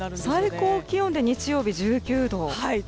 最高気温で日曜日１９度。